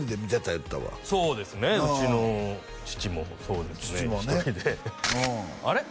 言ってたわそうですねうちの父もそうですね１人であれ？